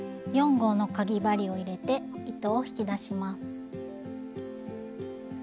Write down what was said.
４号のかぎ針を入れて糸を引き出します。